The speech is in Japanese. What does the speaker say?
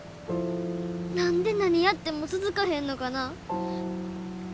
何で何やっても続かへんのかな。